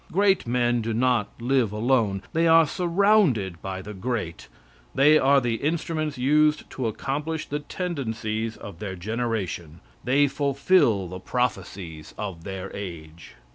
Great men do not live alone; they are surrounded by the great; they are the instruments used to accomplish the tendencies of their generation; they fulfill the prophecies of their age.